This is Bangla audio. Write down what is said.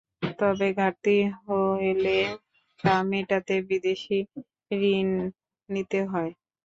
তবে ঘাটতি হলে তা মেটাতে বিদেশি ঋণ নিতে হয়।